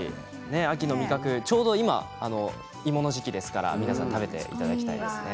秋の味覚ちょうどいもの時期ですから皆さん食べていただきたいですね。